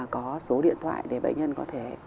có số điện thoại để bệnh nhân có thể